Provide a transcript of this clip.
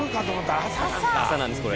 朝なんですこれ。